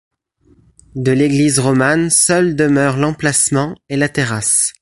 De l’église romane seuls demeurent l’emplacement et la terrasse.